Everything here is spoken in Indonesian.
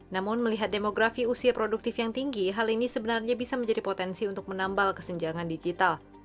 namun melihat demografi usia produktif yang tinggi hal ini sebenarnya bisa menjadi potensi untuk menambal kesenjangan digital